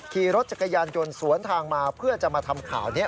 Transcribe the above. ขี่รถจักรยานยนต์สวนทางมาเพื่อจะมาทำข่าวนี้